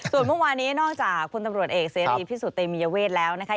ส่วนเมื่อวานนี้นอกจากคนตำรวจเอกซีรีย์พี่สุเตมียเวทแล้วนะคะ